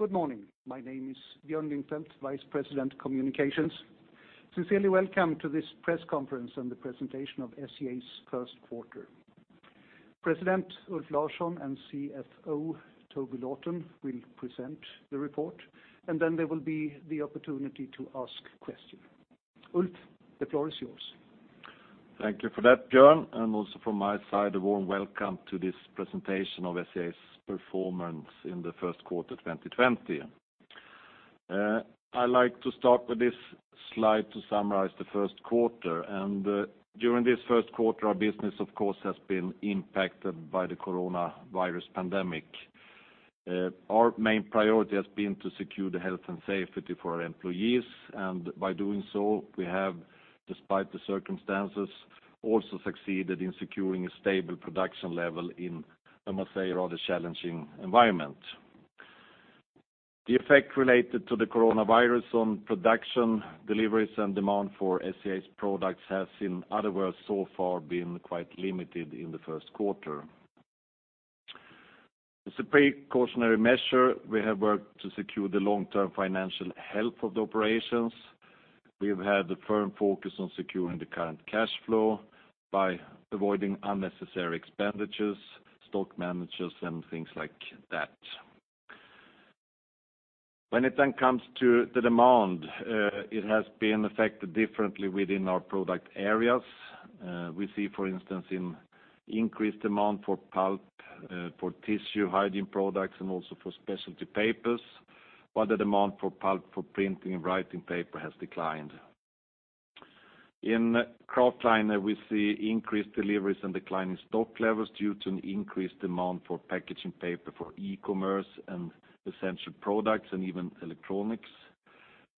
Good morning. My name is Björn Lyngfelt, Vice President, Communications. Sincerely, welcome to this press conference and the presentation of SCA's First Quarter. President Ulf Larsson and CFO Toby Lawton will present the report. There will be the opportunity to ask questions. Ulf, the floor is yours. Thank you for that, Björn, and also from my side, a warm welcome to this presentation of SCA's performance in the first quarter 2020. I like to start with this slide to summarize the first quarter. During this first quarter, our business, of course, has been impacted by the coronavirus pandemic. Our main priority has been to secure the health and safety for our employees, and by doing so, we have, despite the circumstances, also succeeded in securing a stable production level in, I must say, a rather challenging environment. The effect related to the coronavirus on production, deliveries, and demand for SCA's products has, in other words, so far been quite limited in the first quarter. As a precautionary measure, we have worked to secure the long-term financial health of the operations. We've had a firm focus on securing the current cash flow by avoiding unnecessary expenditures, stock manages, and things like that. When it comes to the demand, it has been affected differently within our product areas. We see, for instance, in increased demand for pulp, for tissue hygiene products, and also for specialty papers. While the demand for pulp for printing and writing paper has declined. In kraftliner, we see increased deliveries and declining stock levels due to an increased demand for packaging paper for e-commerce and essential products, and even electronics.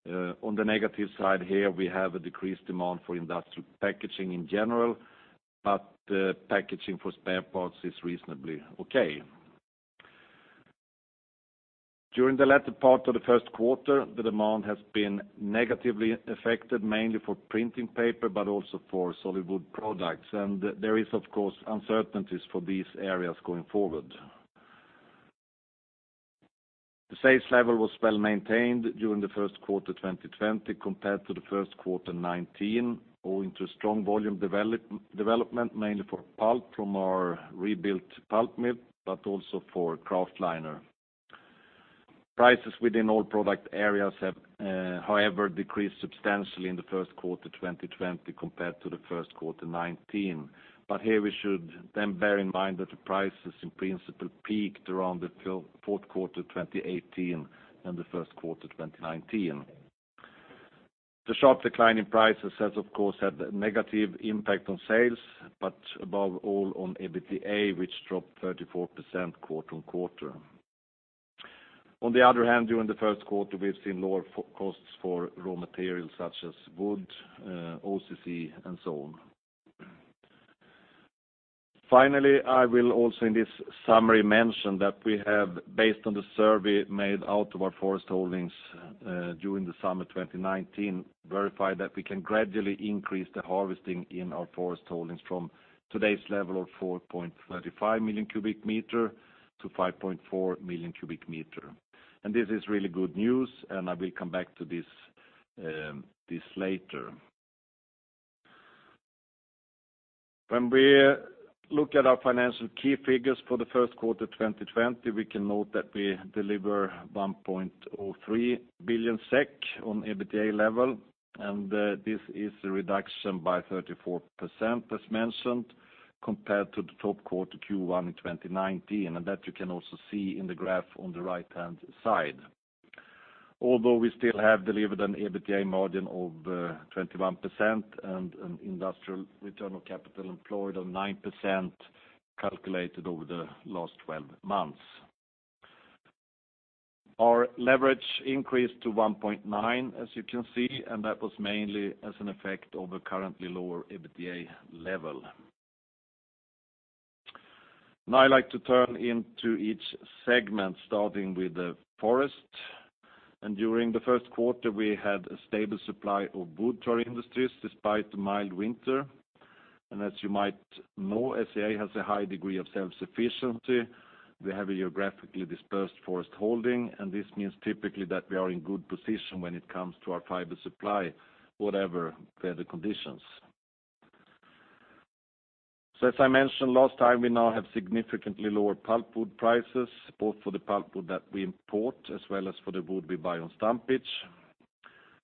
On the negative side here, we have a decreased demand for industrial packaging in general, but packaging for spare parts is reasonably okay. During the latter part of the first quarter, the demand has been negatively affected, mainly for printing paper, but also for solid wood products. There is, of course, uncertainties for these areas going forward. The sales level was well-maintained during the first quarter 2020 compared to the first quarter 2019, owing to strong volume development, mainly for pulp from our rebuilt pulp mill, but also for kraftliner. Prices within all product areas have, however, decreased substantially in the first quarter 2020 compared to the first quarter 2019. Here we should bear in mind that the prices, in principle, peaked around the fourth quarter 2018 and the first quarter 2019. The sharp decline in prices has, of course, had a negative impact on sales, but above all on EBITDA, which dropped 34% quarter-on-quarter. On the other hand, during the first quarter, we've seen lower costs for raw materials such as wood, OCC, and so on. Finally, I will also, in this summary, mention that we have, based on the survey made out of our forest holdings during the summer 2019, verified that we can gradually increase the harvesting in our forest holdings from today's level of 4.35 million cubic meters to 5.4 million cubic meters. This is really good news, and I will come back to this later. When we look at our financial key figures for the first quarter 2020, we can note that we deliver 1.03 billion SEK on EBITDA level. This is a reduction by 34%, as mentioned, compared to the top quarter Q1 in 2019. That you can also see in the graph on the right-hand side. Although we still have delivered an EBITDA margin of 21% and an industrial return on capital employed of 9%, calculated over the last 12 months. Our leverage increased to 1.9, as you can see, and that was mainly as an effect of a currently lower EBITDA level. Now I'd like to turn into each segment, starting with the forest. During the first quarter, we had a stable supply of wood to our industries, despite the mild winter. As you might know, SCA has a high degree of self-sufficiency. We have a geographically dispersed forest holding, and this means typically that we are in good position when it comes to our fiber supply, whatever the weather conditions. As I mentioned last time, we now have significantly lower pulpwood prices, both for the pulpwood that we import as well as for the wood we buy on stumpage.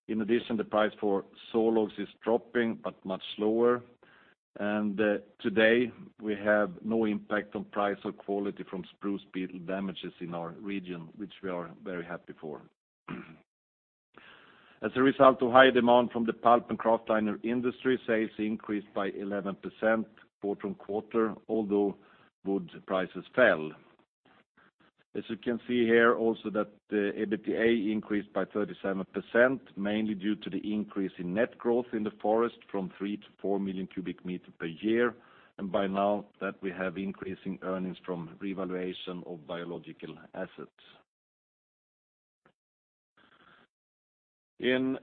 In addition, the price for sawlogs is dropping, but much slower. Today, we have no impact on price or quality from spruce beetle damages in our region, which we are very happy for. As a result of high demand from the pulp and kraftliner industry, sales increased by 11% quarter-on-quarter, although wood prices fell. As you can see here also that the EBITDA increased by 37%, mainly due to the increase in net growth in the forest from three to 4 million cubic meter per year, and by now that we have increasing earnings from revaluation of biological assets. In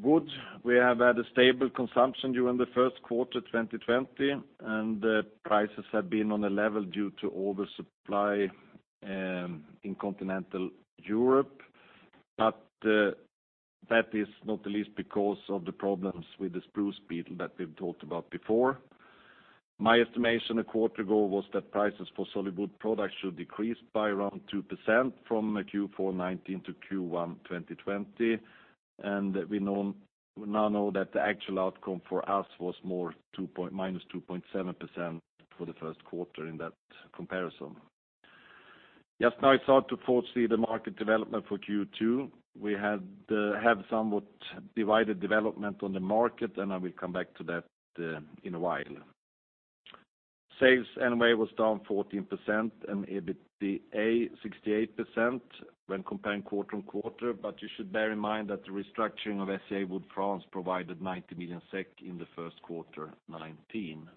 wood, we have had a stable consumption during the first quarter 2020, and prices have been on a level due to oversupply in continental Europe. That is not the least because of the problems with the spruce beetle that we've talked about before. My estimation a quarter ago was that prices for solid wood products should decrease by around 2% from Q4 2019 to Q1 2020. We now know that the actual outcome for us was more minus 2.7% for the first quarter in that comparison. Just now it's hard to foresee the market development for Q2. We have somewhat divided development on the market. I will come back to that in a while. Sales anyway was down 14% and EBITDA 68% when comparing quarter-on-quarter. You should bear in mind that the restructuring of SCA Wood France provided 90 million SEK in the first quarter 2019.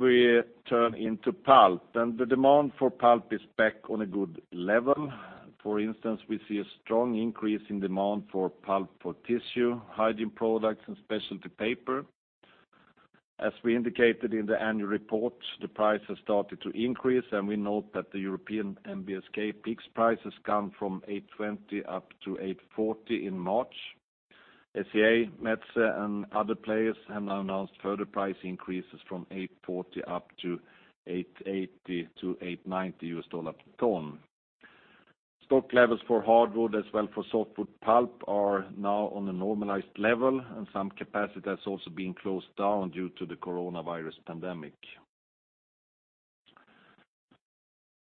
We turn into pulp. The demand for pulp is back on a good level. For instance, we see a strong increase in demand for pulp for tissue, hygiene products, and specialty paper. As we indicated in the annual report, the price has started to increase. We note that the European NBSK PIX prices come from $820 up to $840 in March. SCA, Metsä, and other players have now announced further price increases from $840 up to $880 to $890 per ton. Stock levels for hardwood as well for softwood pulp are now on a normalized level. Some capacity has also been closed down due to the coronavirus pandemic.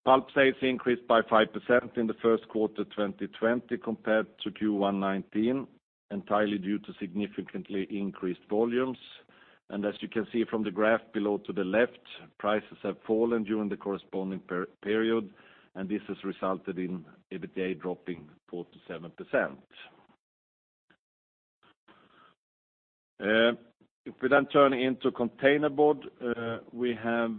Pulp sales increased by 5% in the first quarter 2020 compared to Q1 2019, entirely due to significantly increased volumes. As you can see from the graph below to the left, prices have fallen during the corresponding period, and this has resulted in EBITDA dropping 47%. If we turn into containerboard, we have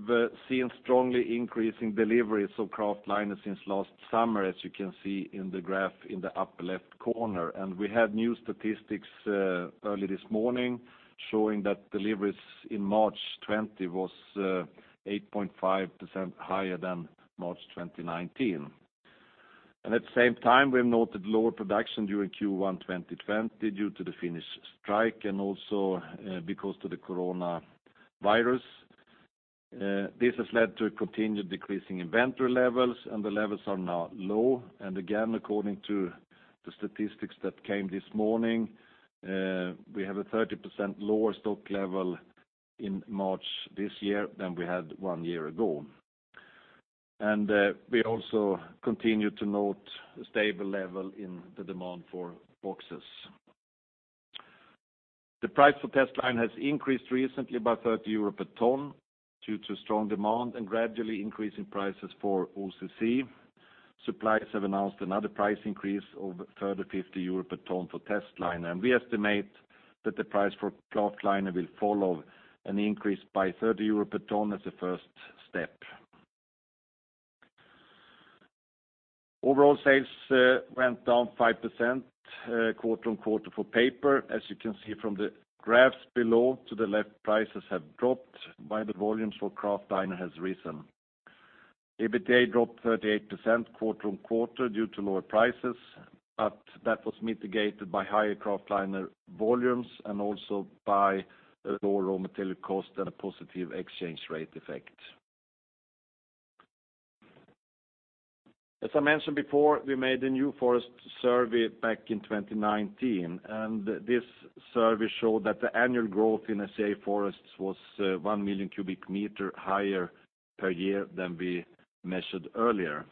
seen strongly increasing deliveries of kraftliner since last summer, as you can see in the graph in the upper left corner. We had new statistics early this morning showing that deliveries in March 2020 was 8.5% higher than March 2019. At the same time, we have noted lower production during Q1 2020 due to the Finnish strike and also because of the coronavirus. This has led to a continued decrease in inventory levels, and the levels are now low. Again, according to the statistics that came this morning, we have a 30% lower stock level in March this year than we had one year ago. We also continue to note a stable level in the demand for boxes. The price for testliner has increased recently by 30 euro a ton due to strong demand and gradually increasing prices for OCC. Suppliers have announced another price increase of 30-50 euro a ton for testliner, and we estimate that the price for kraftliner will follow an increase by 30 euro a ton as a first step. Overall sales went down 5% quarter-on-quarter for paper. As you can see from the graphs below to the left, prices have dropped while the volumes for kraftliner has risen. EBITDA dropped 38% quarter-on-quarter due to lower prices, but that was mitigated by higher kraftliner volumes and also by lower raw material cost and a positive exchange rate effect. As I mentioned before, we made a new forest survey back in 2019, and this survey showed that the annual growth in SCA forests was 1 million cubic meter higher per year than we measured earlier.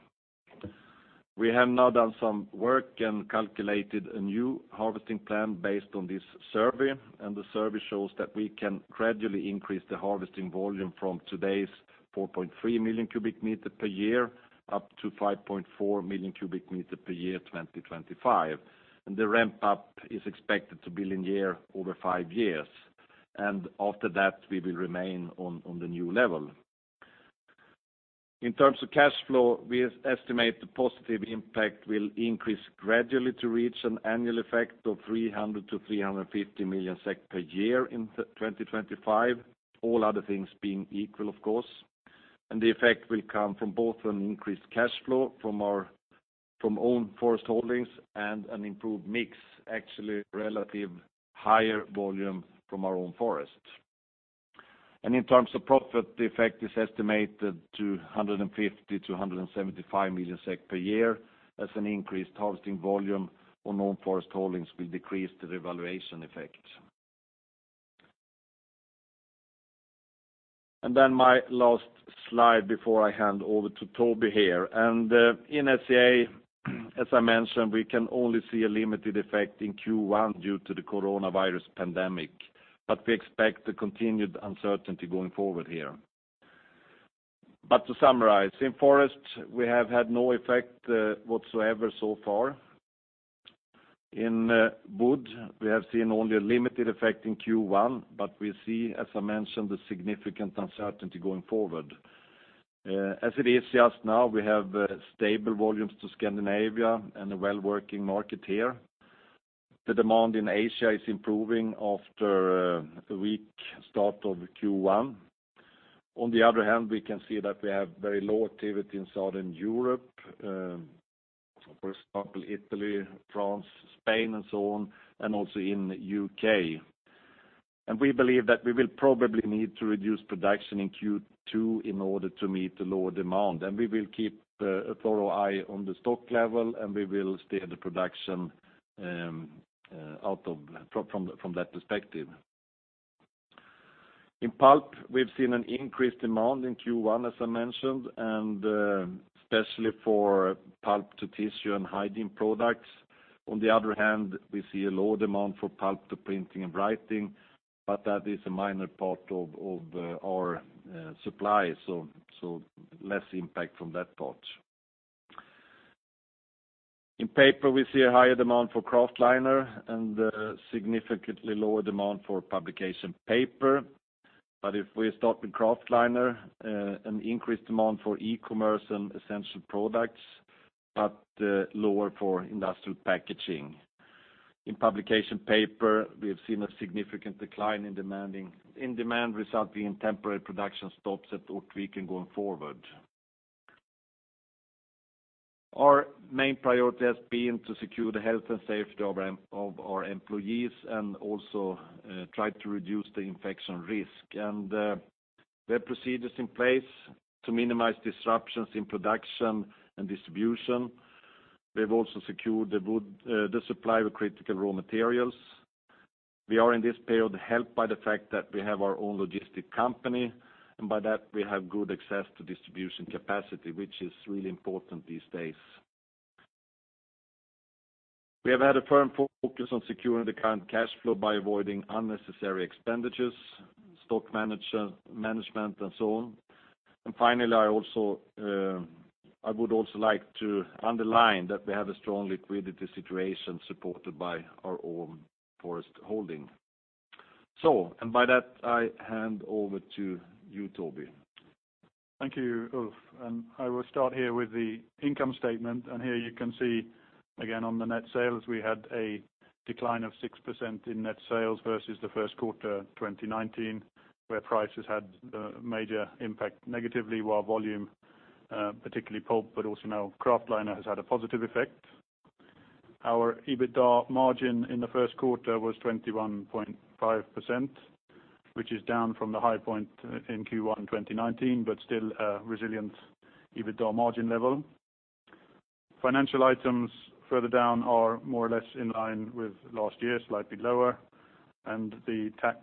We have now done some work and calculated a new harvesting plan based on this survey, and the survey shows that we can gradually increase the harvesting volume from today's 4.3 million cubic meter per year up to 5.4 million cubic meter per year 2025. The ramp up is expected to be linear over five years. After that, we will remain on the new level. In terms of cash flow, we estimate the positive impact will increase gradually to reach an annual effect of 300 million-350 million SEK per year in 2025, all other things being equal, of course. The effect will come from both an increased cash flow from own forest holdings and an improved mix, actually relative higher volume from our own forest. In terms of profit, the effect is estimated to 150 million-175 million SEK per year as an increased harvesting volume on own forest holdings will decrease the revaluation effect. Then my last slide before I hand over to Toby here. In SCA, as I mentioned, we can only see a limited effect in Q1 due to the coronavirus pandemic, but we expect a continued uncertainty going forward here. To summarize, in forest, we have had no effect whatsoever so far. In wood, we have seen only a limited effect in Q1, but we see, as I mentioned, the significant uncertainty going forward. As it is just now, we have stable volumes to Scandinavia and a well-working market here. The demand in Asia is improving after a weak start of Q1. On the other hand, we can see that we have very low activity in Southern Europe, for example, Italy, France, Spain, and so on, and also in the U.K. We believe that we will probably need to reduce production in Q2 in order to meet the lower demand. We will keep a thorough eye on the stock level, and we will steer the production from that perspective. In pulp, we've seen an increased demand in Q1, as I mentioned, and especially for pulp to tissue and hygiene products. On the other hand, we see a lower demand for pulp to printing and writing, but that is a minor part of our supply, so less impact from that part. In paper, we see a higher demand for kraftliner and a significantly lower demand for publication paper. If we start with kraftliner, an increased demand for e-commerce and essential products, but lower for industrial packaging. In publication paper, we have seen a significant decline in demand resulting in temporary production stops at Ortviken going forward. Our main priority has been to secure the health and safety of our employees and also try to reduce the infection risk, and we have procedures in place to minimize disruptions in production and distribution. We have also secured the supply of critical raw materials. We are in this period helped by the fact that we have our own logistic company, and by that we have good access to distribution capacity, which is really important these days. We have had a firm focus on securing the current cash flow by avoiding unnecessary expenditures, stock management, and so on. Finally, I would also like to underline that we have a strong liquidity situation supported by our own forest holding. By that, I hand over to you, Toby. Thank you, Ulf. I will start here with the income statement. Here you can see again on the net sales, we had a decline of 6% in net sales versus the first quarter 2019, where prices had a major impact negatively, while volume, particularly pulp, but also now kraftliner, has had a positive effect. Our EBITDA margin in the first quarter was 21.5%, which is down from the high point in Q1 2019, but still a resilient EBITDA margin level. Financial items further down are more or less in line with last year, slightly lower, and the tax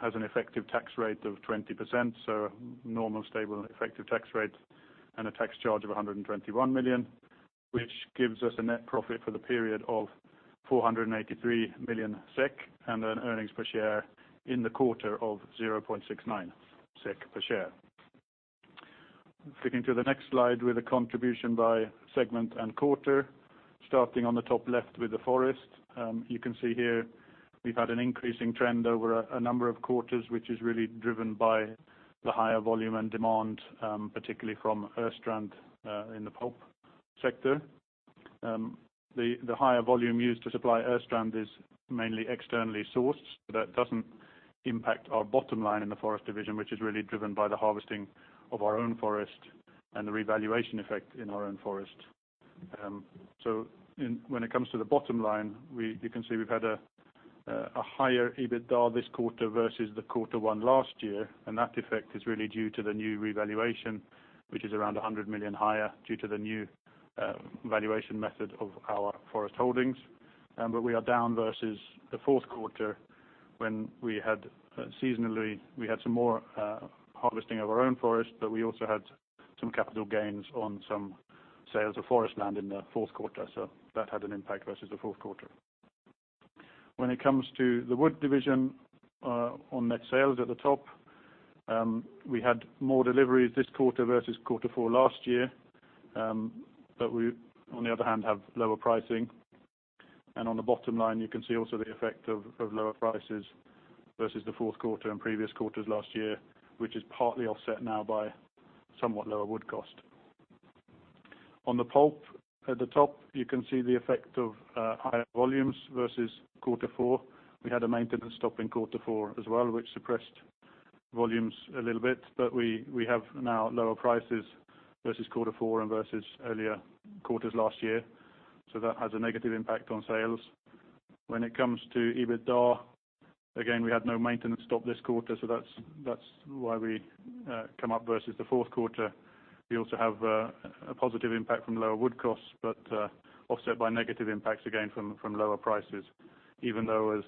has an effective tax rate of 20%, so normal, stable effective tax rate and a tax charge of 121 million, which gives us a net profit for the period of 483 million SEK and an earnings per share in the quarter of 0.69 SEK per share. Flicking to the next slide with a contribution by segment and quarter, starting on the top left with the forest. You can see here we've had an increasing trend over a number of quarters, which is really driven by the higher volume and demand, particularly from Östrand in the pulp sector. The higher volume used to supply Östrand is mainly externally sourced, that doesn't impact our bottom line in the forest division, which is really driven by the harvesting of our own forest and the revaluation effect in our own forest. When it comes to the bottom line, you can see we've had a higher EBITDA this quarter versus the Q1 last year, that effect is really due to the new revaluation, which is around 100 million higher due to the new valuation method of our forest holdings. We are down versus the fourth quarter when seasonally, we had some more harvesting of our own forest, we also had some capital gains on some sales of forest land in the fourth quarter, that had an impact versus the fourth quarter. When it comes to the Wood division on net sales at the top, we had more deliveries this quarter versus quarter four last year, we on the other hand, have lower pricing. On the bottom line, you can see also the effect of lower prices versus the fourth quarter and previous quarters last year, which is partly offset now by somewhat lower wood cost. On the Pulp at the top, you can see the effect of higher volumes versus quarter four. We had a maintenance stop in quarter four as well, which suppressed volumes a little bit. We have now lower prices versus quarter four and versus earlier quarters last year, so that has a negative impact on sales. When it comes to EBITDA, again, we had no maintenance stop this quarter, so that's why we come up versus the fourth quarter. We also have a positive impact from lower wood costs, but offset by negative impacts, again, from lower prices, even though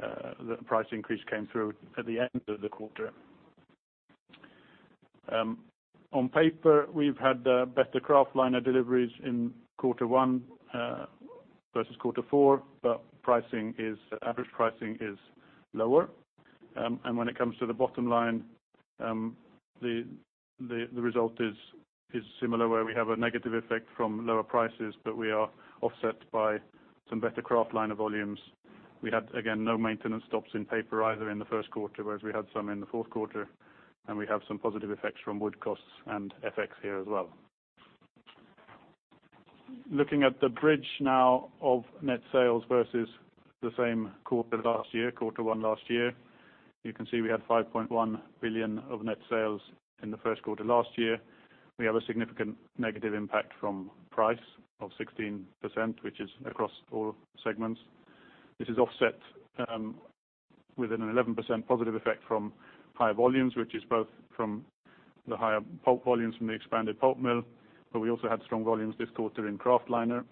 the price increase came through at the end of the quarter. On paper, we've had better kraftliner deliveries in quarter one versus quarter four, but average pricing is lower. When it comes to the bottom line, the result is similar, where we have a negative effect from lower prices, but we are offset by some better kraftliner volumes. We had, again, no maintenance stops in paper either in the first quarter, whereas we had some in the fourth quarter. We have some positive effects from wood costs and FX here as well. Looking at the bridge now of net sales versus the same quarter last year, quarter one last year, you can see we had 5.1 billion of net sales in the first quarter last year. We have a significant negative impact from price of 16%, which is across all segments. This is offset with an 11% positive effect from higher volumes, which is both from the higher pulp volumes from the expanded pulp mill, but we also had strong volumes this quarter in kraftliner.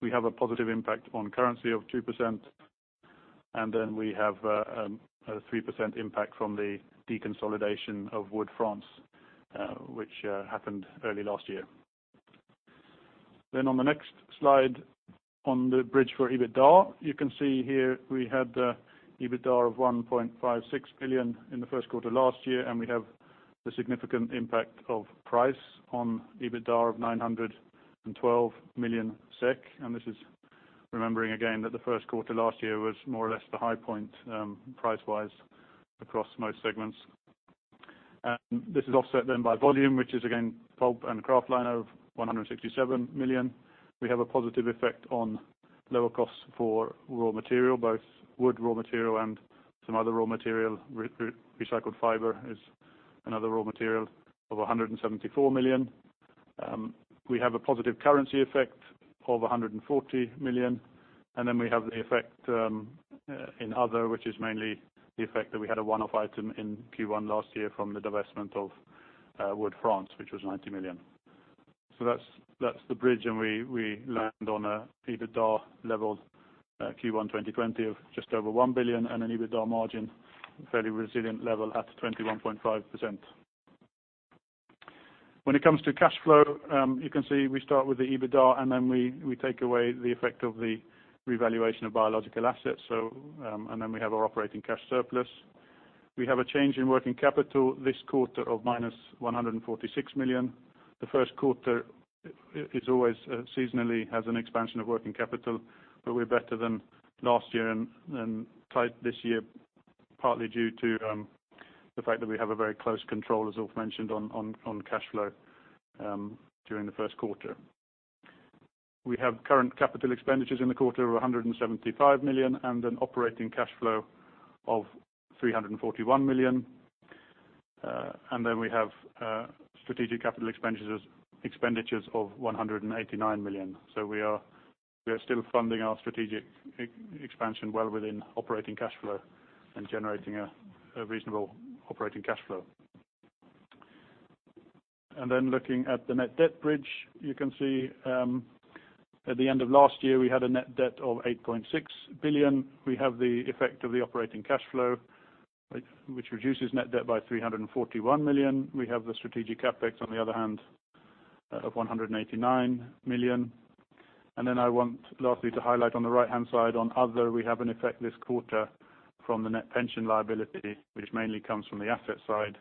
We have a positive impact on currency of 2%. We have a 3% impact from the deconsolidation of Wood France, which happened early last year. On the next slide, on the bridge for EBITDA, you can see here we had the EBITDA of 1.56 billion in the first quarter last year, and we have the significant impact of price on EBITDA of 912 million SEK. This is remembering again, that the first quarter last year was more or less the high point, price-wise, across most segments. This is offset then by volume, which is again, pulp and kraftliner of 167 million. We have a positive effect on lower costs for raw material, both wood raw material and some other raw material, recycled fiber is another raw material, of 174 million. We have a positive currency effect of 140 million, and then we have the effect in other, which is mainly the effect that we had a one-off item in Q1 last year from the divestment of Wood France, which was 90 million. That's the bridge, and we land on an EBITDA level at Q1 2020 of just over 1 billion and an EBITDA margin, fairly resilient level at 21.5%. When it comes to cash flow, you can see we start with the EBITDA, and then we take away the effect of the revaluation of biological assets. We have our operating cash surplus. We have a change in working capital this quarter of minus 146 million. The first quarter, it always seasonally has an expansion of working capital, but we're better than last year and tight this year, partly due to the fact that we have a very close control, as Ulf mentioned, on cash flow during the first quarter. We have current capital expenditures in the quarter of 175 million and an operating cash flow of 341 million. We have strategic capital expenditures of 189 million. We are still funding our strategic expansion well within operating cash flow and generating a reasonable operating cash flow. Looking at the net debt bridge, you can see at the end of last year, we had a net debt of 8.6 billion. We have the effect of the operating cash flow, which reduces net debt by 341 million. We have the strategic CapEx, on the other hand, of 189 million. I want lastly to highlight on the right-hand side, on other, we have an effect this quarter from the net pension liability, which mainly comes from the asset side,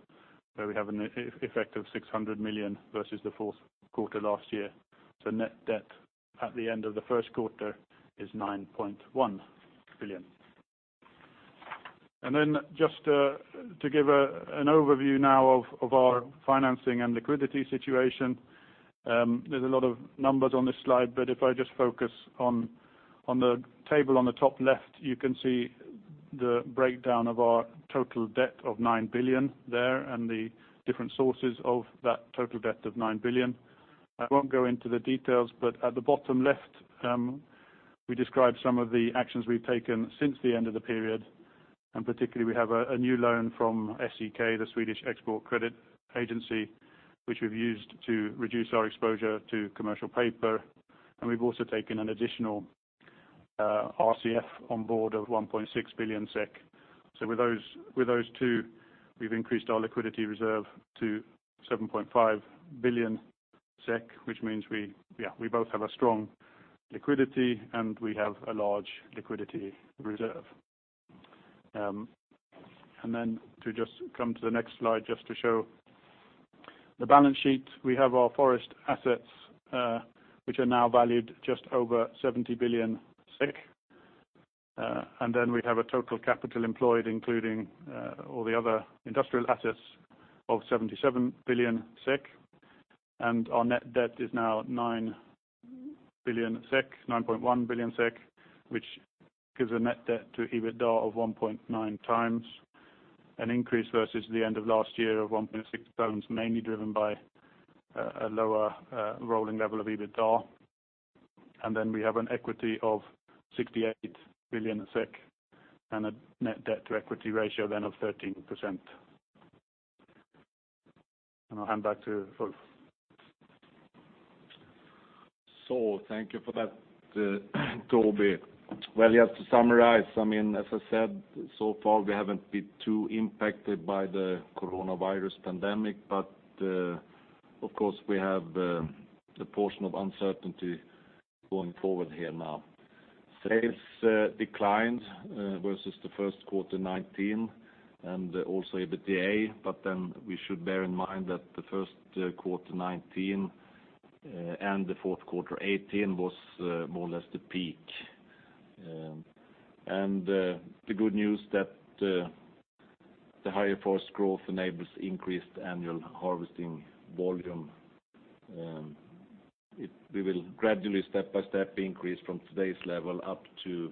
where we have an effect of 600 million versus the fourth quarter last year. Net debt at the end of the first quarter is 9.1 billion. Just to give an overview now of our financing and liquidity situation. There's a lot of numbers on this slide, but if I just focus on the table on the top left, you can see the breakdown of our total debt of 9 billion there and the different sources of that total debt of 9 billion. I won't go into the details. At the bottom left, we describe some of the actions we've taken since the end of the period, and particularly, we have a new loan from SEK, the Swedish Export Credit Agency, which we've used to reduce our exposure to commercial paper. We've also taken an additional RCF on board of 1.6 billion SEK. With those two, we've increased our liquidity reserve to 7.5 billion SEK, which means we both have a strong liquidity, and we have a large liquidity reserve. To just come to the next slide just to show the balance sheet. We have our forest assets, which are now valued just over 70 billion SEK. We have a total capital employed, including all the other industrial assets of 77 billion SEK. Our net debt is now 9.1 billion SEK, which gives a net debt to EBITDA of 1.9 times, an increase versus the end of last year of 1.6 times, mainly driven by a lower rolling level of EBITDA. We have an equity of 68 billion SEK and a net debt to equity ratio of 13%. I'll hand back to Ulf. Thank you for that, Toby. Well, you have to summarize, as I said, so far, we haven't been too impacted by the coronavirus pandemic, of course, we have the portion of uncertainty going forward here now. Sales declined versus the first quarter 2019 and also EBITDA, then we should bear in mind that the first quarter 2019 and the fourth quarter 2018 was more or less the peak. The good news that the higher forest growth enables increased annual harvesting volume, we will gradually step by step increase from today's level up to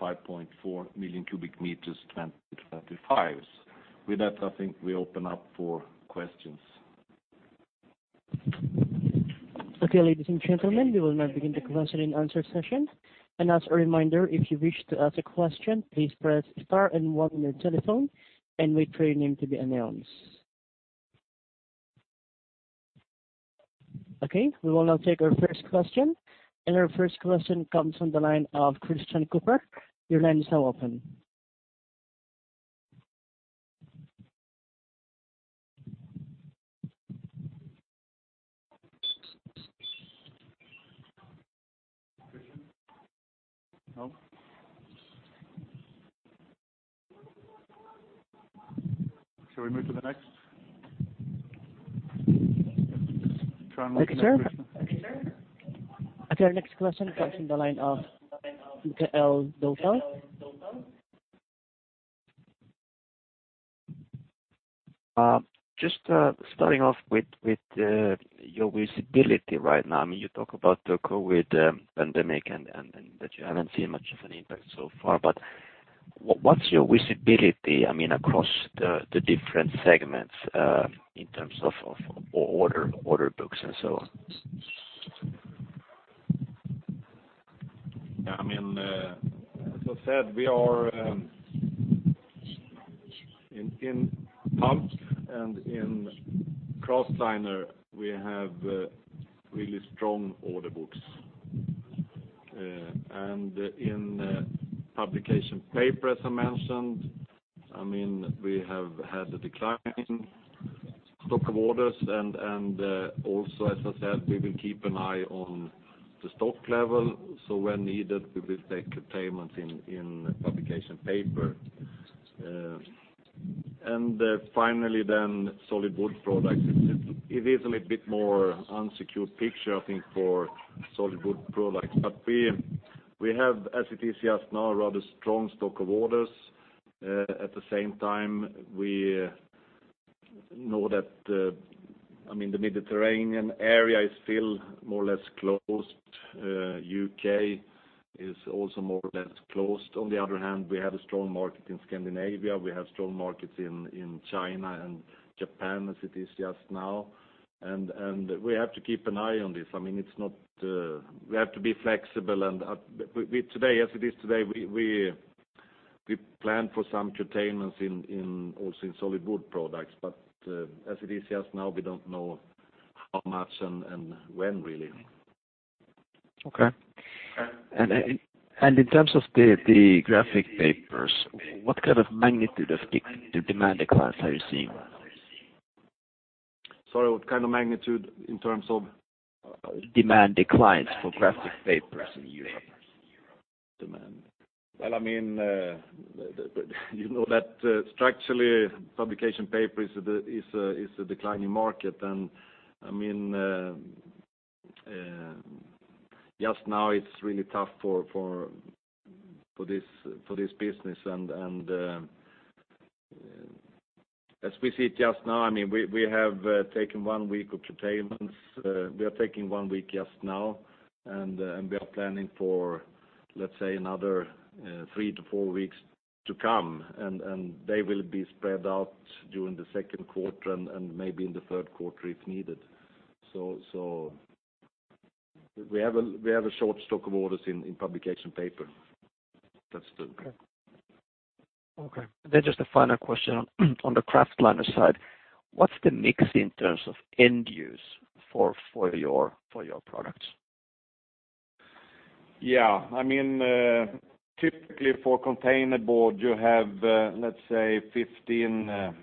5.4 million cubic meters 2025. With that, I think we open up for questions. Okay, ladies and gentlemen, we will now begin the question and answer session. As a reminder, if you wish to ask a question, please press star and one on your telephone and wait for your name to be announced. Okay, we will now take our first question. Our first question comes from the line of Christian Cooper. Your line is now open. Christian? No. Shall we move to the next? Try and look for Christian. Okay, sir. Okay, our next question comes from the line of Mikael Doepel. Just starting off with your visibility right now. You talk about the COVID pandemic and that you haven't seen much of an impact so far. What's your visibility, across the different segments, in terms of order books and so on? As I said, we are in pulp and in kraftliner, we have really strong order books. In publication paper, as I mentioned, we have had a decline in stock of orders, and also as I said, we will keep an eye on the stock level. When needed, we will take curtailments in publication paper. Finally solid wood products, it is a little bit more unsecured picture, I think for solid wood products. We have, as it is just now, rather strong stock of orders. At the same time, we know that the Mediterranean area is still more or less closed. U.K. is also more or less closed. On the other hand, we have a strong market in Scandinavia. We have strong markets in China and Japan as it is just now. We have to keep an eye on this. We have to be flexible, and as it is today we plan for some curtailments also in solid wood products. As it is just now, we don't know how much and when really. Okay. In terms of the graphic papers, what kind of magnitude of demand declines are you seeing? Sorry, what kind of magnitude in terms of? Demand declines for graphic papers in Europe. Demand. You know that structurally publication paper is a declining market. Just now it's really tough for this business. As we see it just now, we have taken one week of curtailments. We are taking 1 week just now. We are planning for, let's say another three to four weeks to come. They will be spread out during the second quarter and maybe in the third quarter if needed. We have a short stock of orders in publication paper. That's true. Okay. Just a final question on the kraftliner side. What's the mix in terms of end use for your products? Yeah. Typically for containerboard, you have let's say 15%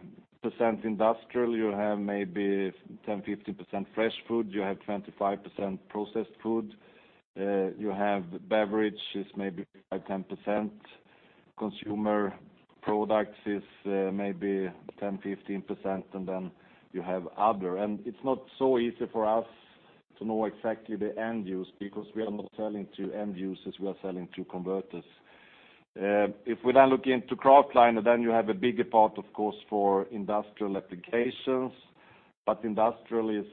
industrial, you have maybe 10%-15% fresh food, you have 25% processed food, you have beverages maybe 5%-10%, consumer products is maybe 10%-15%, then you have other. It's not so easy for us to know exactly the end use because we are not selling to end users, we are selling to converters. If we now look into kraftliner, you have a bigger part of course for industrial applications. Industrial is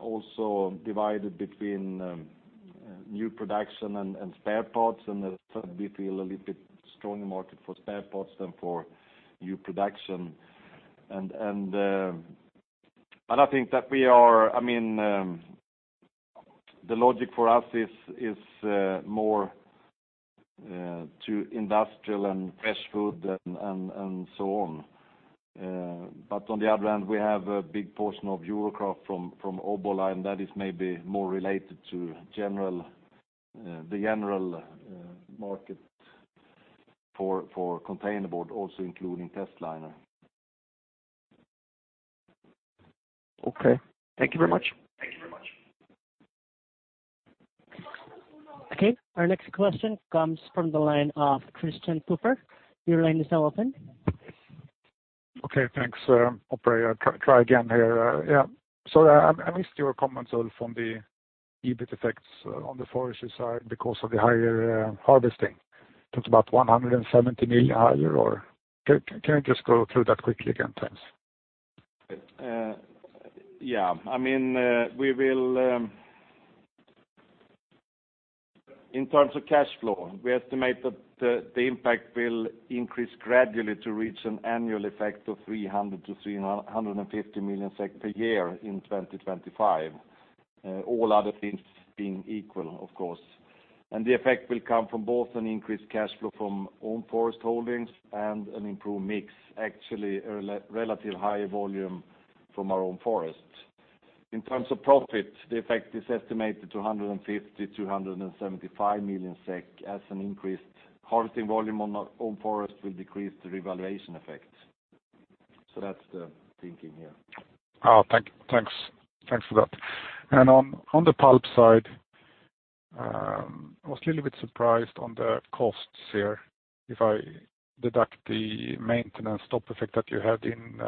also divided between new production and spare parts, and we feel a little bit stronger market for spare parts than for new production. I think that the logic for us is more to industrial and fresh food and so on. On the other hand, we have a big portion of Eurokraft from Obbola, and that is maybe more related to the general market for containerboard also including testliner. Okay. Thank you very much. Okay. Our next question comes from the line of Christian Cooper. Your line is now open. Okay. Thanks, operator. Try again here. Sorry, I missed your comments all from the EBIT effects on the forestry side because of the higher harvesting. That's about 170 million higher, or can you just go through that quickly again? Thanks. Yeah. In terms of cash flow, we estimate that the impact will increase gradually to reach an annual effect of 300 million-350 million SEK per year in 2025. All other things being equal, of course. The effect will come from both an increased cash flow from own forest holdings and an improved mix, actually, a relative higher volume from our own forest. In terms of profit, the effect is estimated 250 million-275 million SEK as an increased harvesting volume on our own forest will decrease the revaluation effect. That's the thinking here. Oh, thanks for that. On the pulp side, I was a little bit surprised on the costs here. If I deduct the maintenance top effect that you had in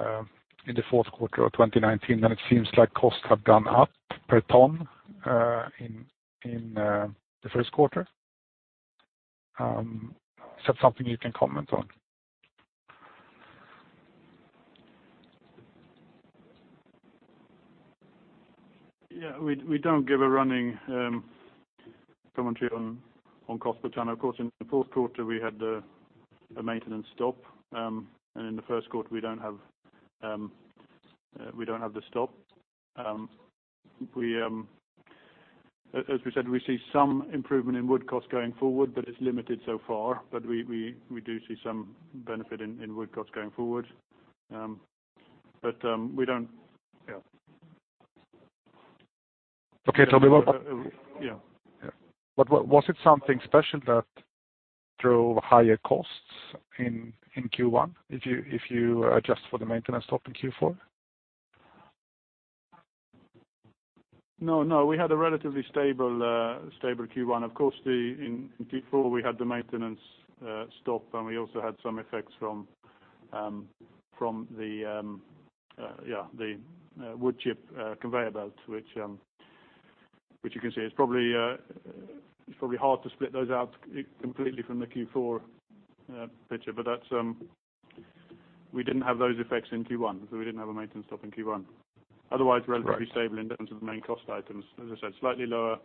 the fourth quarter of 2019, then it seems like costs have gone up per ton in the first quarter. Is that something you can comment on? Yeah. We don't give a running commentary on cost per ton. Of course, in the fourth quarter, we had the maintenance stop, and in the first quarter we don't have the stop. As we said, we see some improvement in wood costs going forward, but it's limited so far. We do see some benefit in wood costs going forward. Yeah. Okay, tell me about. Yeah. Was it something special that drove higher costs in Q1 if you adjust for the maintenance stop in Q4? No. We had a relatively stable Q1. Of course, in Q4 we had the maintenance stop, and we also had some effects from the wood chip conveyor belt, which you can see. It's probably hard to split those out completely from the Q4 picture. We didn't have those effects in Q1. We didn't have a maintenance stop in Q1. Otherwise, relatively stable in terms of the main cost items. As I said, slightly lower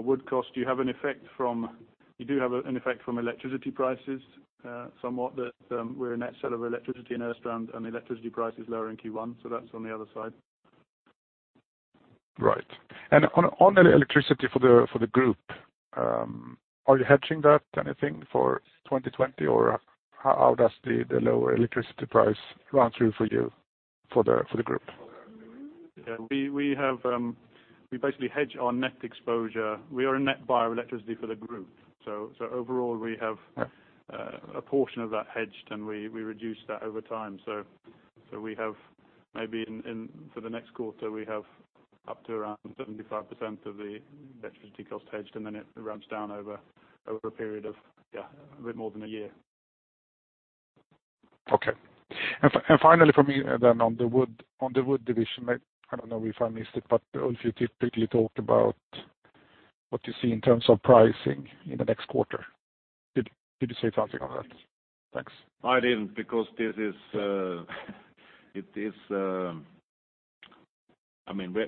wood cost. You do have an effect from electricity prices, somewhat, that we're a net seller of electricity in Östrand. The electricity price is lower in Q1. That's on the other side. Right. On the electricity for the group, are you hedging that anything for 2020? Or how does the lower electricity price run through for you for the group? Yeah. We basically hedge our net exposure. We are a net buyer of electricity for the group. Overall, we have a portion of that hedged, and we reduce that over time. For the next quarter, we have up to around 75% of the electricity cost hedged, and then it ramps down over a period of a bit more than one year. Okay. Finally from me on the wood division, I don't know if I missed it, but Ulf, you typically talked about what you see in terms of pricing in the next quarter. Could you say something on that? Thanks. I didn't, because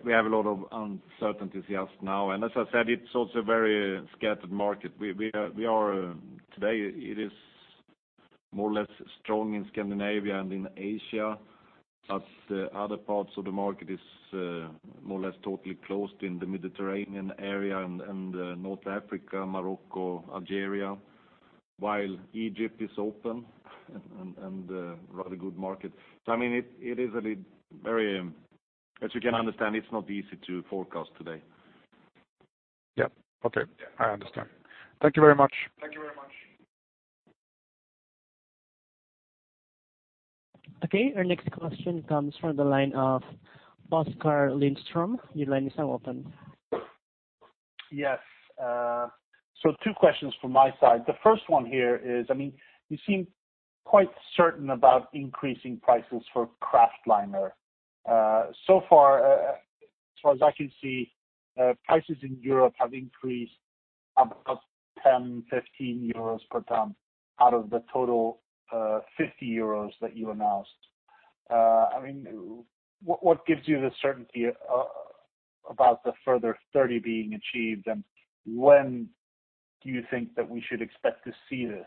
we have a lot of uncertainties just now. As I said, it's also a very scattered market. Today, it is more or less strong in Scandinavia and in Asia, but other parts of the market is more or less totally closed in the Mediterranean area and North Africa, Morocco, Algeria, while Egypt is open and a rather good market. As you can understand, it's not easy to forecast today. Yeah. Okay. I understand. Thank you very much. Okay. Our next question comes from the line of Oskar Lindström. Your line is now open. Yes. Two questions from my side. The first one here is, you seem quite certain about increasing prices for kraftliner. So far as I can see, prices in Europe have increased about 10-15 euros per ton out of the total 50 euros that you announced. What gives you the certainty about the further 30 being achieved, and when do you think that we should expect to see this?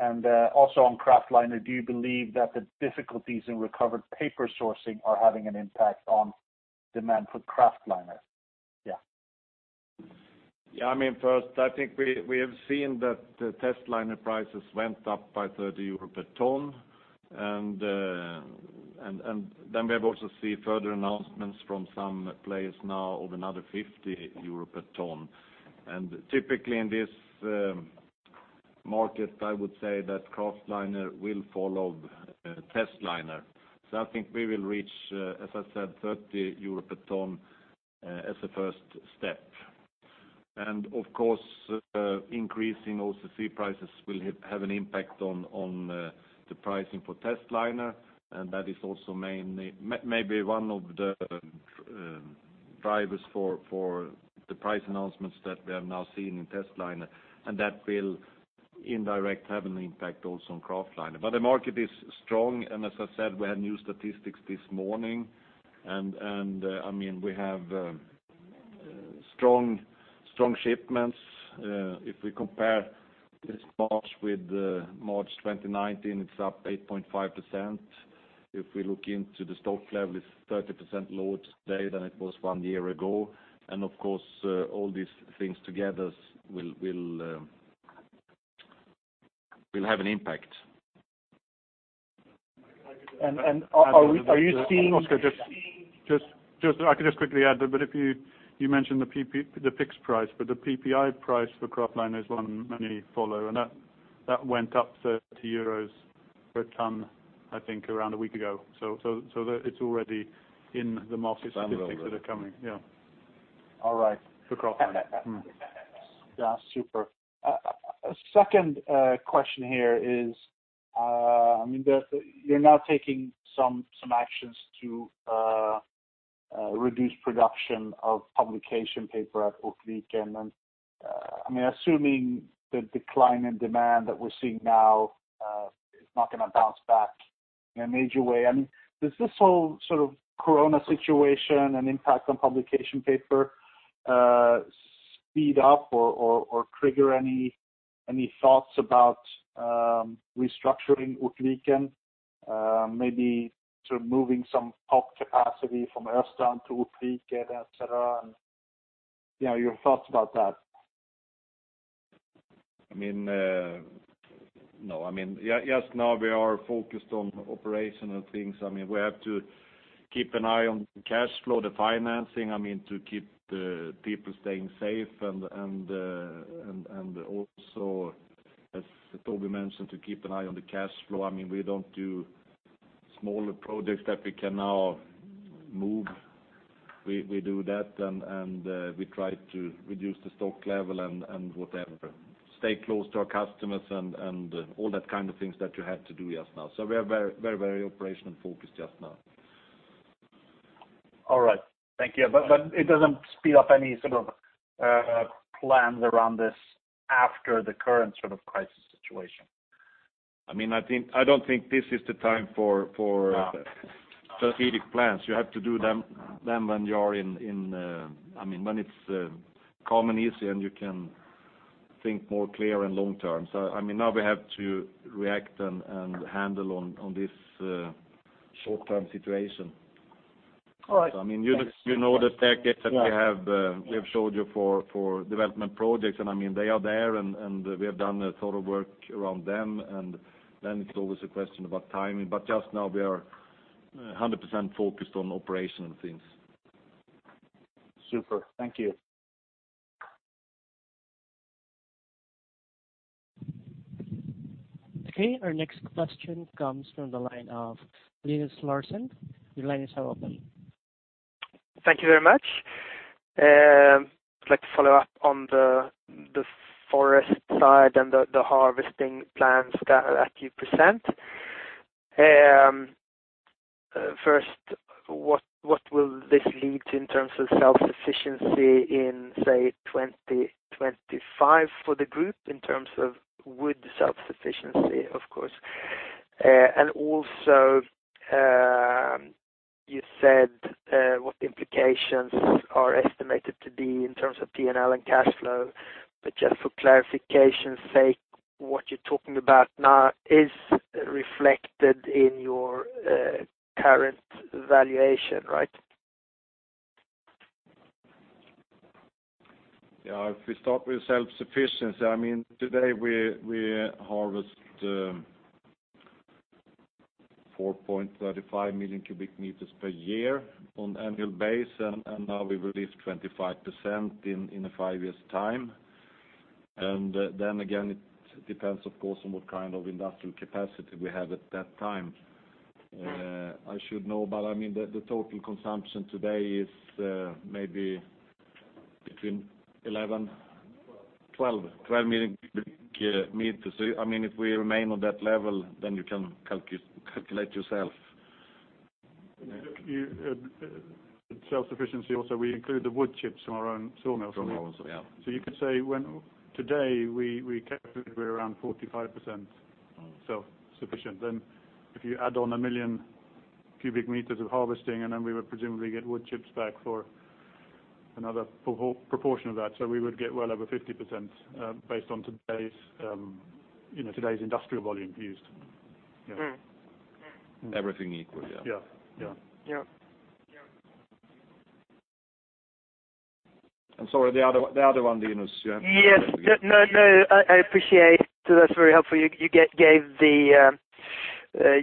Also on kraftliner, do you believe that the difficulties in recovered paper sourcing are having an impact on demand for kraftliner? First, I think we have seen that the testliner prices went up by 30 euro per ton. Then we have also seen further announcements from some players now of another 50 euro a ton. Typically in this market, I would say that kraftliner will follow testliner. I think we will reach, as I said, 30 euro a ton as a first step. Of course, increasing OCC prices will have an impact on the pricing for testliner, and that is also maybe one of the drivers for the price announcements that we have now seen in testliner, and that will indirectly have an impact also on kraftliner. The market is strong, and as I said, we had new statistics this morning, and we have strong shipments. If we compare this March with March 2019, it's up 8.5%. If we look into the stock level, it's 30% lower today than it was one year ago. Of course, all these things together will have an impact. And are you seeing- Oskar, I can just quickly add a bit. You mentioned the fixed price, but the PPI price for kraftliner is one many follow, and that went up 30 euros per ton, I think, around a week ago. It's already in the market statistics that are coming. Yeah. All right. For kraftliner. Yeah, super. A second question here is, you're now taking some actions to reduce production of publication paper at Ortviken, assuming the decline in demand that we're seeing now is not going to bounce back in a major way, does this whole sort of corona situation and impact on publication paper speed up or trigger any thoughts about restructuring Ortviken? Maybe sort of moving some pulp capacity from Östrand to Ortviken, et cetera. Your thoughts about that? Just now we are focused on operational things. We have to keep an eye on cash flow, the financing, to keep the people staying safe, and also, as Toby mentioned, to keep an eye on the cash flow. We don't do smaller projects that we can now move. We do that, and we try to reduce the stock level and whatever, stay close to our customers, and all that kind of things that you have to do just now. We are very operational focused just now. All right. Thank you. It doesn't speed up any sort of plans around this after the current sort of crisis situation? I don't think this is the time for. No strategic plans. You have to do them when it's calm and easy, and you can think more clear and long term. Now we have to react and handle on this short-term situation. All right. You know the package that we have showed you for development projects, and they are there, and we have done a total work around them, and then it's always a question about timing, but just now we are 100% focused on operational things. Super. Thank you. Okay, our next question comes from the line of Linus Larsson. Your line is now open. Thank you very much. I'd like to follow up on the forest side and the harvesting plans that you present. First, what will this lead to in terms of self-sufficiency in, say, 2025 for the group in terms of wood self-sufficiency, of course? You said what the implications are estimated to be in terms of P&L and cash flow. Just for clarification sake, what you're talking about now is reflected in your current valuation, right? Yeah. If we start with self-sufficiency, today we harvest 4.35 million cubic meters per year on annual base, and now we release 25% in a five years time. Again, it depends, of course, on what kind of industrial capacity we have at that time. I should know, but the total consumption today is maybe between 11 and 12 million cubic meters. If we remain on that level, then you can calculate yourself. Self-sufficiency also, we include the wood chips from our own sawmill. From our own, yeah. You could say today, we're around 45% self-sufficient. If you add on a million cubic meters of harvesting, we would presumably get wood chips back for another proportion of that. We would get well over 50% based on today's industrial volume used. Everything equal, yeah. Yeah. Yeah. Sorry, the other one, Linus, you have to forgive me. Yes. No, I appreciate. That's very helpful. You gave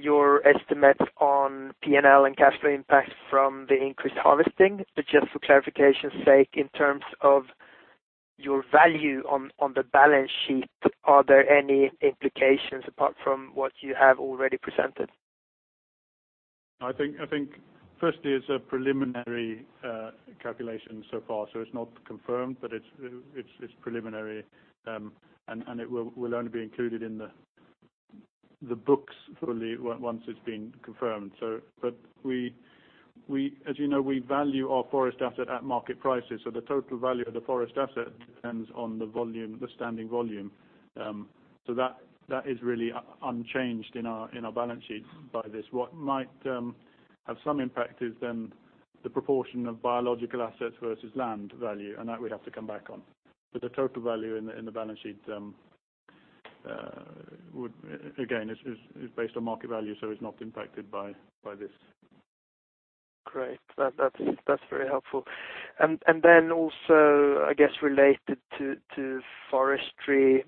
Your estimate on P&L and cash flow impact from the increased harvesting, but just for clarification's sake, in terms of your value on the balance sheet, are there any implications apart from what you have already presented? I think, firstly, it's a preliminary calculation so far, so it's not confirmed, but it's preliminary, and it will only be included in the books fully once it's been confirmed. As you know, we value our forest asset at market prices. The total value of the forest asset depends on the standing volume. That is really unchanged in our balance sheet by this. What might have some impact is then the proportion of biological assets versus land value, that we'd have to come back on. The total value in the balance sheet, again, is based on market value, so it's not impacted by this. Great. That's very helpful. Also, I guess related to forestry,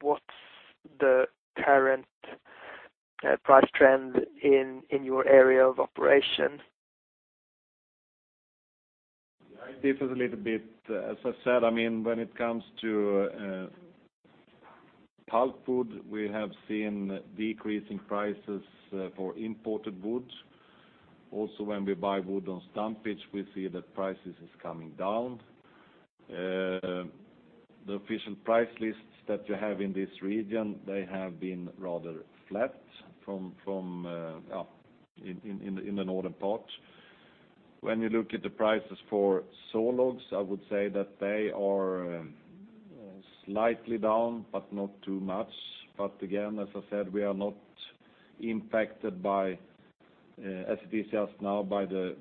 what's the current price trend in your area of operation? It differs a little bit. As I said, when it comes to pulpwood, we have seen decreasing prices for imported wood. When we buy wood on stumpage, we see that prices are coming down. The official price lists that you have in this region, they have been rather flat in the northern part. When you look at the prices for sawlogs, I would say that they are slightly down, but not too much. Again, as I said, we are not impacted as it is just now by the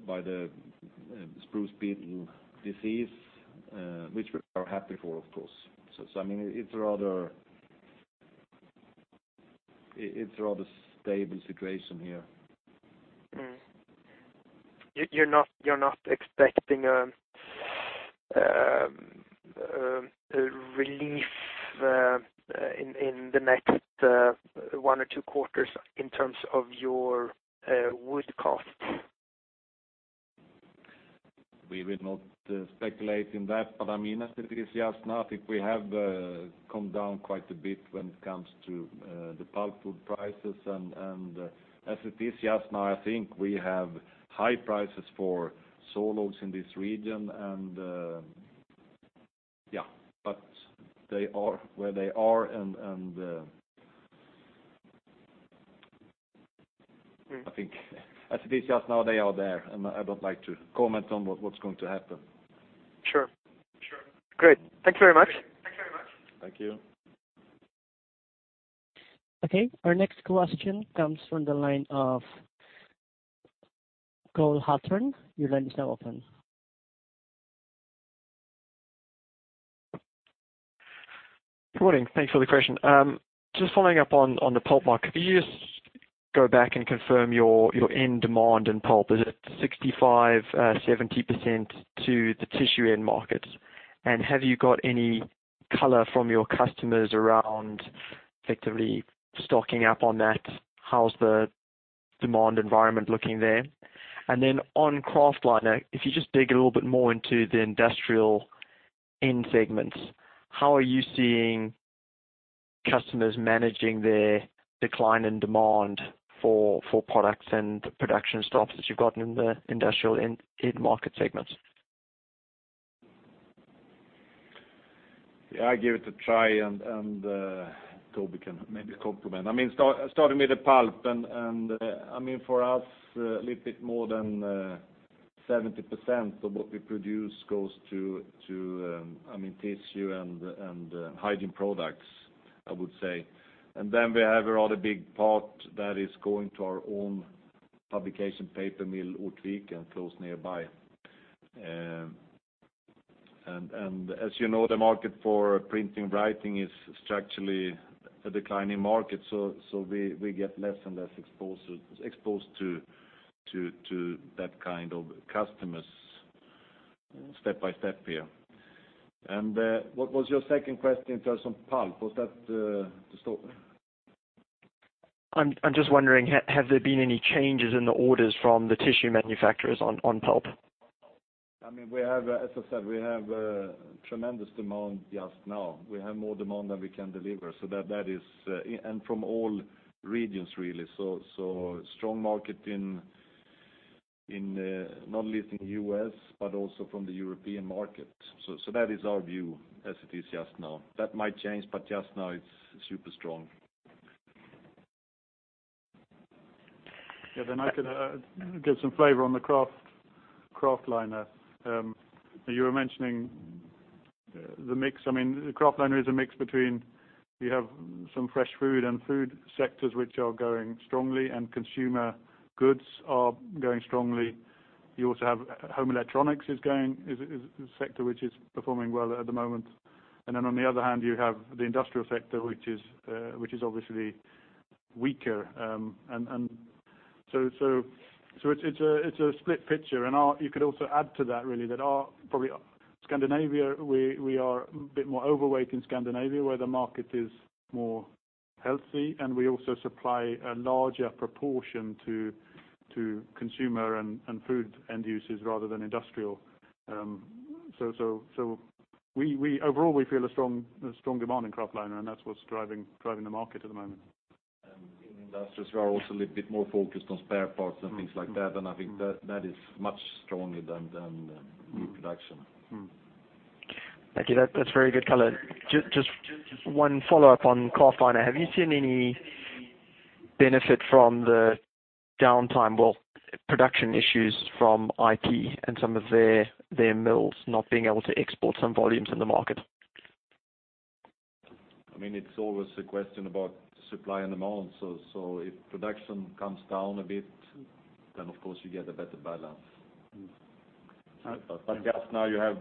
spruce beetle disease, which we are happy for, of course. It's a rather stable situation here. You're not expecting a relief in the next one or two quarters in terms of your wood costs? We will not speculate in that. As it is just now, I think we have come down quite a bit when it comes to the pulpwood prices. As it is just now, I think we have high prices for sawlogs in this region, but they are where they are, and I think as it is just now, they are there, and I don't like to comment on what's going to happen. Sure. Great. Thank you very much. Thank you. Okay, our next question comes from the line of Cole Hathorn. Your line is now open. Good morning. Thanks for the question. Just following up on the pulp market, could you just go back and confirm your end demand in pulp? Is it 65%-70% to the tissue end markets? Have you got any color from your customers around effectively stocking up on that? How's the demand environment looking there? On kraftliner, if you just dig a little bit more into the industrial end segments, how are you seeing customers managing their decline in demand for products and production stops that you've gotten in the industrial end market segments? Yeah, I'll give it a try, and Toby can maybe complement. Starting with the pulp, for us, a little bit more than 70% of what we produce goes to tissue and hygiene products, I would say. Then we have a rather big part that is going to our own publication paper mill, Ortviken, and close nearby. As you know, the market for printing and writing is structurally a declining market, we get less and less exposed to that kind of customers step by step here. What was your second question in terms of pulp? Was that the stock? I'm just wondering, have there been any changes in the orders from the tissue manufacturers on pulp? As I said, we have tremendous demand just now. We have more demand than we can deliver. From all regions, really. Strong market not at least in the U.S., but also from the European market. That is our view as it is just now. That might change, but just now it's super strong. Yeah, I could give some flavor on the kraftliner. You were mentioning the mix. The kraftliner is a mix between, you have some fresh food and food sectors which are going strongly, and consumer goods are going strongly. You also have home electronics is a sector which is performing well at the moment. On the other hand, you have the industrial sector which is obviously weaker. It's a split picture. You could also add to that really, that Scandinavia, we are a bit more overweight in Scandinavia, where the market is more healthy, and we also supply a larger proportion to consumer and food end users rather than industrial. Overall, we feel a strong demand in kraftliner, and that's what's driving the market at the moment. In industries, we are also a little bit more focused on spare parts and things like that, and I think that is much stronger than new production. Thank you. That's very good color. One follow-up on kraftliner. Have you seen any benefit from the downtime? Well, production issues from IP and some of their mills not being able to export some volumes in the market. It's always a question about supply and demand. If production comes down a bit, then of course you get a better balance. Just now you have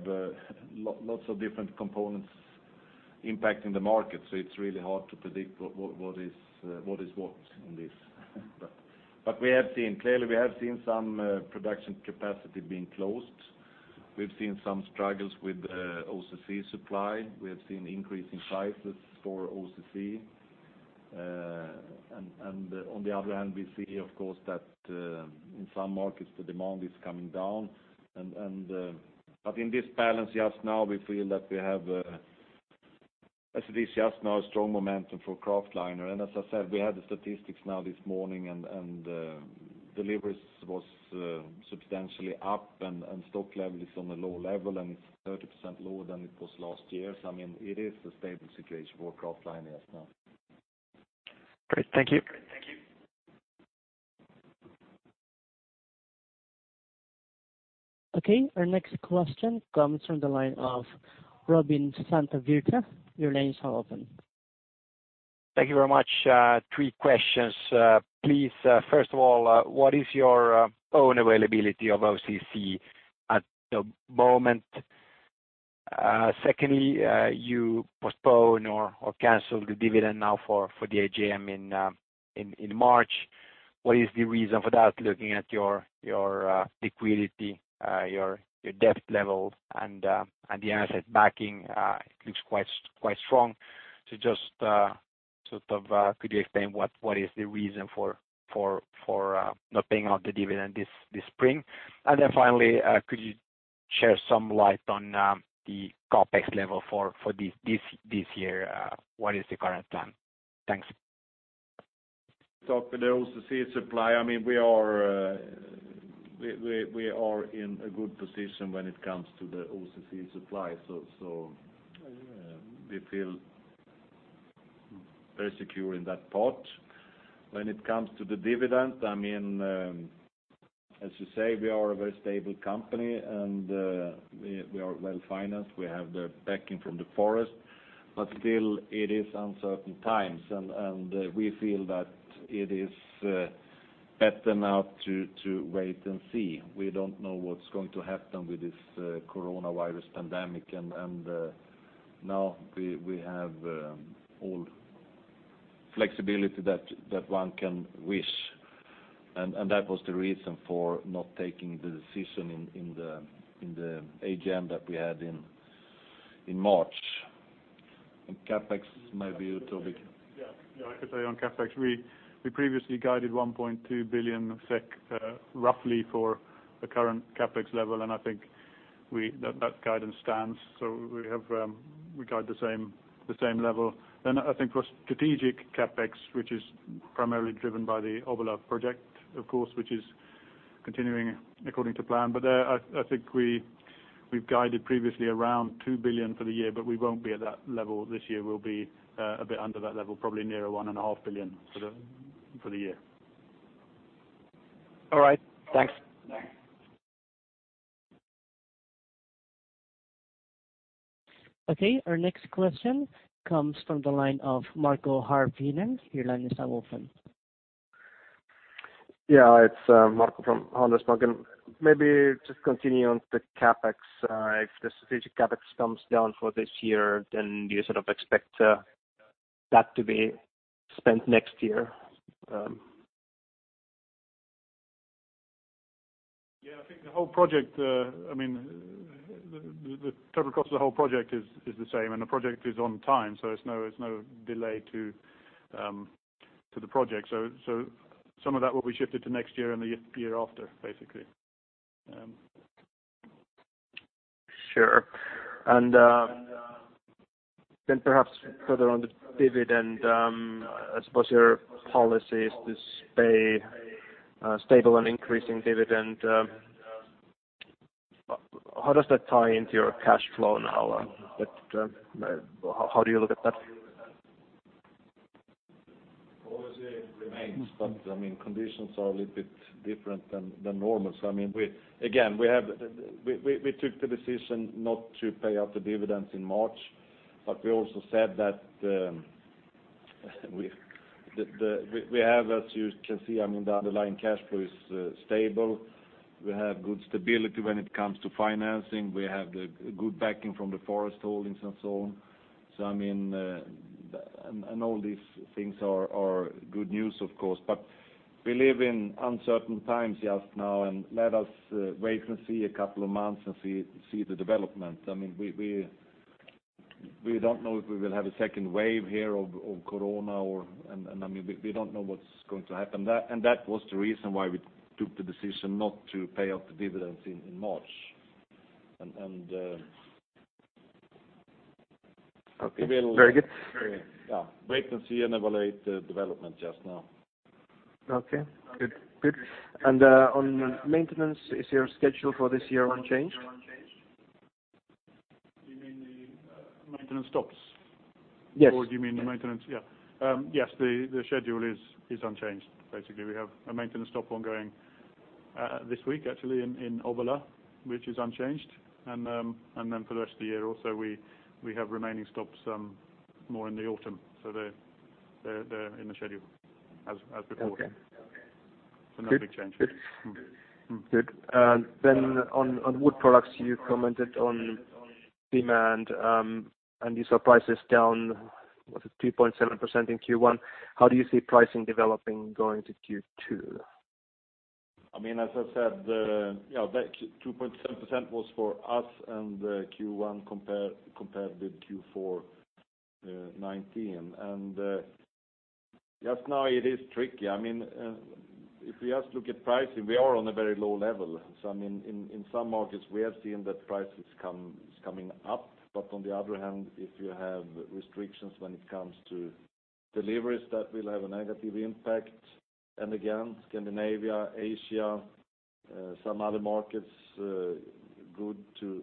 lots of different components impacting the market, so it's really hard to predict what is what in this. Clearly, we have seen some production capacity being closed. We've seen some struggles with OCC supply. We have seen increasing prices for OCC. On the other hand, we see, of course, that in some markets the demand is coming down. In this balance just now, we feel that we have, as it is just now, strong momentum for kraftliner. As I said, we had the statistics now this morning, and deliveries was substantially up, and stock level is on a low level, and it's 30% lower than it was last year. It is a stable situation for kraftliner just now. Great. Thank you. Okay, our next question comes from the line of Robin Santavirta. Your line is now open. Thank you very much. Three questions. Please, first of all, what is your own availability of OCC at the moment? Secondly, you postponed or canceled the dividend now for the AGM in March. What is the reason for that, looking at your liquidity, your debt level, and the asset backing? It looks quite strong. Just, could you explain what is the reason for not paying out the dividend this spring? Finally, could you share some light on the CapEx level for this year? What is the current plan? Thanks. To the OCC supply, we are in a good position when it comes to the OCC supply. We feel very secure in that part. When it comes to the dividend, as you say, we are a very stable company, and we are well-financed. We have the backing from the forest. Still, it is uncertain times, and we feel that it is better now to wait and see. We don't know what's going to happen with this coronavirus pandemic, and now we have all the flexibility that one can wish. That was the reason for not taking the decision in the AGM that we had in March. CapEx, maybe you, Toby? Yeah. I could say on CapEx, we previously guided 1.2 billion SEK, roughly, for the current CapEx level. I think that guidance stands. We guide the same level. I think for strategic CapEx, which is primarily driven by the Obbola project, of course, which is continuing according to plan. There I think we've guided previously around 2 billion for the year. We won't be at that level this year. We'll be a bit under that level, probably nearer 1.5 billion for the year. All right. Thanks. Okay, our next question comes from the line of [Marco] Your line is now open. Yeah, it's [Marco] from Handelsbanken. Maybe just continue on the CapEx. If the strategic CapEx comes down for this year, do you sort of expect that to be spent next year? Yeah, I think the total cost of the whole project is the same. The project is on time. It's no delay to the project. Some of that will be shifted to next year and the year after, basically. Sure. Perhaps further on the dividend, I suppose your policy is to stay stable and increasing dividend. How does that tie into your cash flow now? How do you look at that? Policy remains, conditions are a little bit different than normal. Again, we took the decision not to pay out the dividends in March, but we also said that we have, as you can see, the underlying cash flow is stable. We have good stability when it comes to financing. We have the good backing from the forest holdings and so on. All these things are good news, of course. We live in uncertain times just now, and let us wait and see a couple of months and see the development. We don't know if we will have a second wave here of COVID, and we don't know what's going to happen. That was the reason why we took the decision not to pay out the dividends in March. Okay. Very good. Yeah. Wait and see and evaluate the development just now. Okay, good. On maintenance, is your schedule for this year unchanged? Do you mean the maintenance stops? Yes. Yes, the schedule is unchanged. Basically, we have a maintenance stop ongoing this week, actually in Obbola, which is unchanged. For the rest of the year also, we have remaining stops more in the autumn. They're in the schedule as before. Okay. No big change. Good. On wood products, you commented on demand, and you saw prices down, was it 2.7% in Q1? How do you see pricing developing going to Q2? As I said, that 2.7% was for us and Q1 compared with Q4 2019. Just now it is tricky. If we just look at pricing, we are on a very low level. In some markets we have seen that prices coming up. On the other hand, if you have restrictions when it comes to deliveries, that will have a negative impact. Again, Scandinavia, Asia, some other markets good to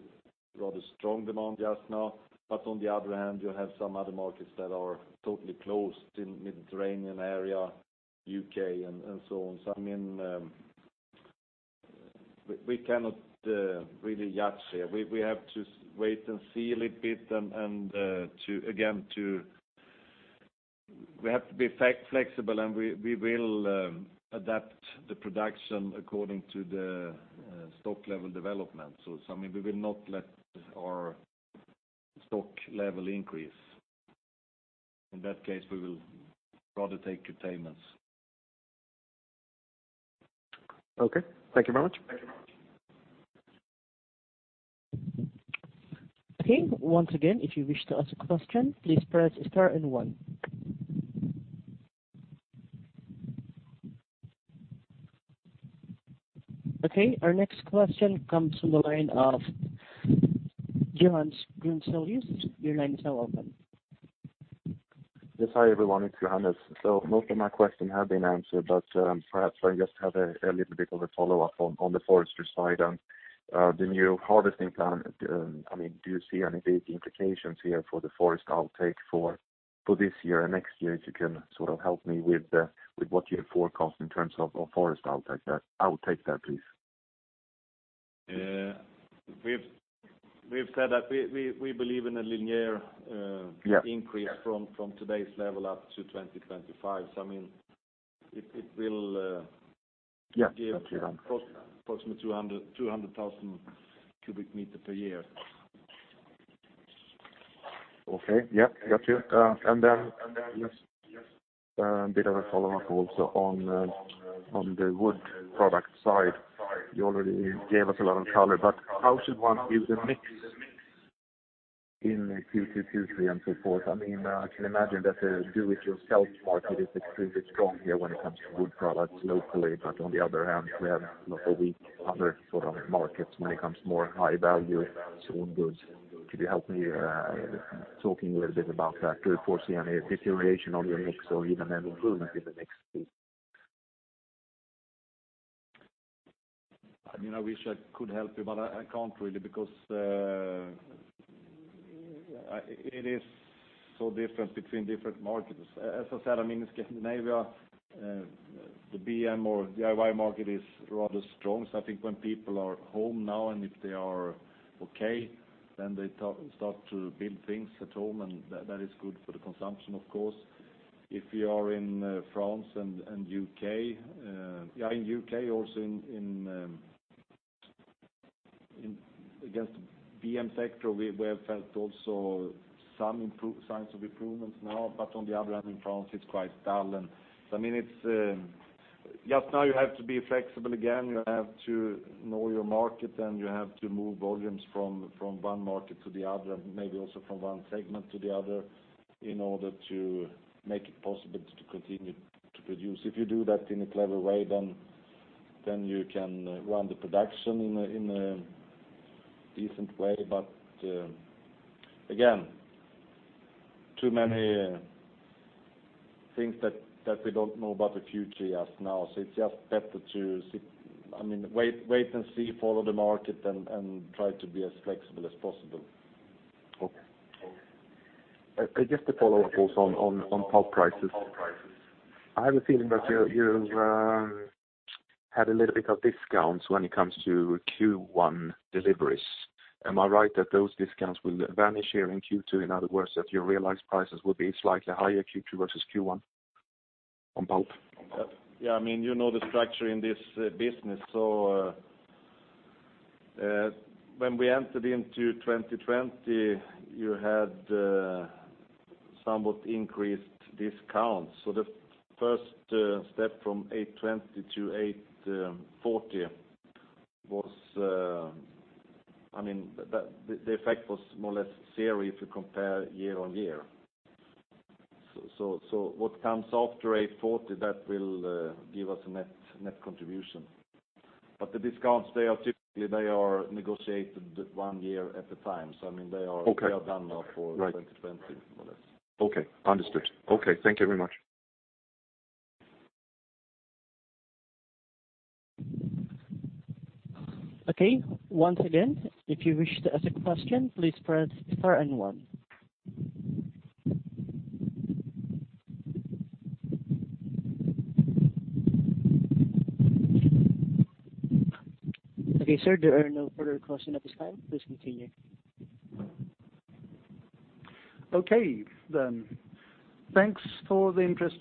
rather strong demand just now. On the other hand, you have some other markets that are totally closed in Mediterranean area, U.K., and so on. We cannot really judge here. We have to wait and see a little bit, again, we have to be flexible, we will adapt the production according to the stock level development. We will not let our stock level increase. In that case, we will rather take curtailments. Okay. Thank you very much. Okay, once again, if you wish to ask a question, please press star and one. Okay, our next question comes from the line of Johannes Grunselius. Your line is now open. Yes. Hi, everyone. It's Johannes. Most of my question have been answered, but perhaps I just have a little bit of a follow-up on the forestry side on the new harvesting plan. Do you see any big implications here for the forest outtake for this year and next year, if you can sort of help me with what you forecast in terms of forest outtake there, please? We've said that we believe in a linear increase. Yeah from today's level up to 2025. it will Yeah give approximate 200,000 cubic meter per year. Okay. Yeah, got you. Then just a bit of a follow-up also on the wood product side. You already gave us a lot of color, how should one view the mix in Q2, Q3, and so forth? I can imagine that the do-it-yourself market is extremely strong here when it comes to wood products locally. On the other hand, we have a weak other sort of markets when it comes more high value sawn goods. Could you help me talking a little bit about that? Do you foresee any deterioration on your mix or even an improvement in the mix, please? I wish I could help you, but I can't really, because it is so different between different markets. As I said, in Scandinavia, the B&M or DIY market is rather strong. I think when people are home now, and if they are okay, then they start to build things at home, and that is good for the consumption, of course. If you are in France and U.K., yeah, in U.K. also in against B&M sector, we have felt also some signs of improvements now. On the other hand, in France it's quite dull. Just now you have to be flexible again, you have to know your market, and you have to move volumes from one market to the other, and maybe also from one segment to the other in order to make it possible to continue to produce. If you do that in a clever way, then you can run the production in a decent way. Again, too many things that we don't know about the future just now. It's just better to wait and see, follow the market, and try to be as flexible as possible. Okay. Just a follow-up also on pulp prices. I have a feeling that you've had a little bit of discounts when it comes to Q1 deliveries. Am I right that those discounts will vanish here in Q2? In other words, that your realized prices will be slightly higher Q2 versus Q1 on pulp? Yeah, you know the structure in this business. When we entered into 2020, you had somewhat increased discounts. The first step from $820-$840, the effect was more or less zero if you compare year-over-year. What comes after $840, that will give us a net contribution. The discounts, they are typically negotiated one year at a time. Okay done now for 2020 more or less. Okay, understood. Okay, thank you very much. Okay, once again, if you wish to ask a question, please press star and one. Okay, sir, there are no further questions at this time. Please continue. Okay. Thanks for the interest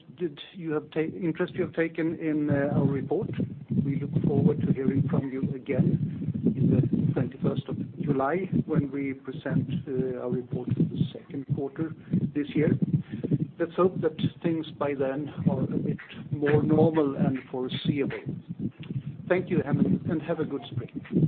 you have taken in our report. We look forward to hearing from you again in the 21st of July when we present our report for the second quarter this year. Let's hope that things by then are a bit more normal and foreseeable. Thank you, and have a good spring.